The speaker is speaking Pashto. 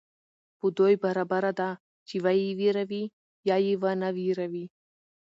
په دوى برابره ده چي وئې وېروې يا ئې ونه وېروې